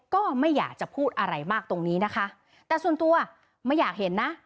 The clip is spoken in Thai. ก็ไม่อยากจะพูดอะไรมากตรงนี้นะคะแต่ส่วนตัวไม่อยากเห็นนะ